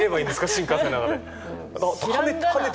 新幹線の中で。